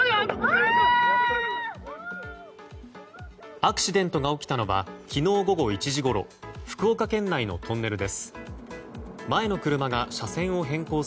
アクシデントが起きたのは昨日午後１時ごろ福岡県内のトンネルです。